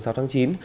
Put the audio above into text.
cơ quan khám nghiệp